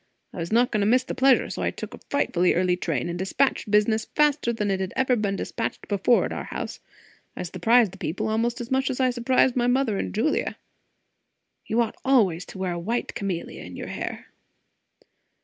"I was not going to miss the pleasure; so I took a frightfully early train, and despatched business faster than it had ever been despatched before, at our house. I surprised the people, almost as much as I surprised my mother and Julia. You ought always to wear a white camellia in your hair!"